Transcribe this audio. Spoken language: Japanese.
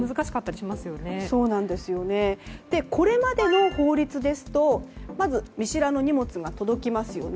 これまでの法律ですとまず見知らぬ荷物が届きますよね。